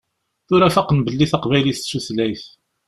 Tura faqen belli taqbaylit d tutlayt.